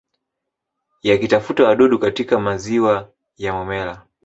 Yakitafuta wadudu katika maziwa ya Momella